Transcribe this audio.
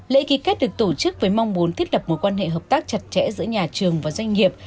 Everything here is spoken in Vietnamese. lễ ký kết được tổ chức với mong muốn thiết lập mối quan hệ hợp tác chặt chẽ giữa nhà trường và doanh nghiệp